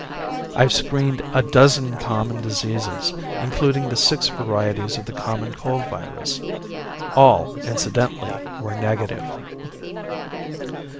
I've screened a dozen common diseases, including the six varieties of the common cold virus. All, incidentally, were negative."